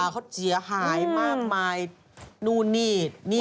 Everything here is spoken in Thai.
เขาเสียหายมากมายนู่นนี่